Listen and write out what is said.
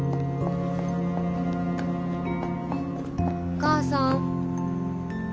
お母さん。